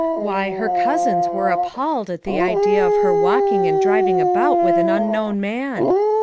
Why, her cousins were appalled at the idea of her walking and driving about with an unknown man!